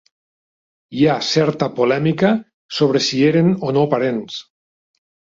Hi ha certa polèmica sobre si eren o no parents.